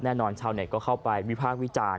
แน่นอนชาวเน็ตก็เข้าไปวิภาควิจารณ์